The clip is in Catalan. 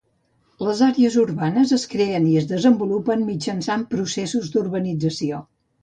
Les àrees urbanes es creen i es desenvolupen mitjançant processos d'urbanització.